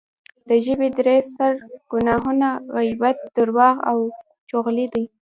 د ژبې درې ستر ګناهونه غیبت، درواغ او چغلي دی